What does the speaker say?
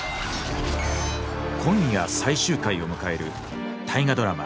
今夜最終回を迎える大河ドラマ